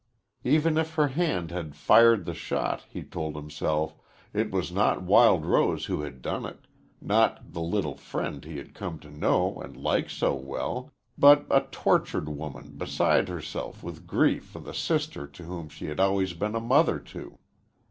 Even if her hand had fired the shot, he told himself, it was not Wild Rose who had done it not the little friend he had come to know and like so well, but a tortured woman beside herself with grief for the sister to whom she had always been a mother too.